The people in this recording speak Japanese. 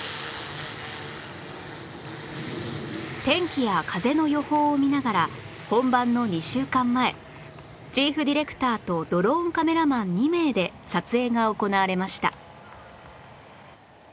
天気や風の予報を見ながら本番の２週間前チーフディレクターとドローンカメラマン２名で撮影が行われました